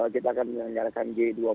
kita akan menyelenggarakan g dua puluh